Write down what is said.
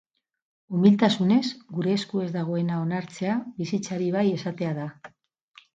Umiltasunez, gure esku ez dagoena onartzea, bizitzari bai esatea da.